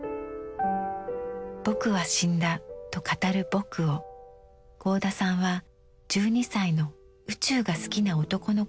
「ぼくはしんだ」と語る「ぼく」を合田さんは１２歳の宇宙が好きな男の子として描きました。